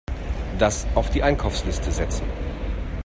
Das auf die Einkaufsliste setzen.